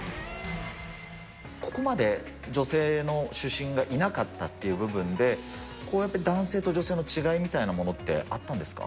ここまで女性の主審がいなかったっていう部分で、やっぱり男性の女性の違いみたいなものってあったんですか？